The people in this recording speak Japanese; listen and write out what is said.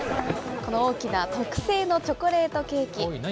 この大きな特製のチョコレートケーキ。